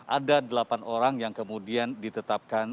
ada delapan orang yang kemudian ditetapkan